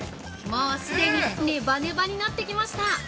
◆もうすでにネバネバになってきました！